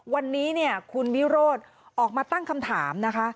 วันนี้เนี่ยคุณวิโรธออกมาตั้งคำถามนะคะ